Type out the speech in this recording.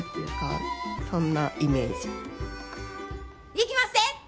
いきまっせ！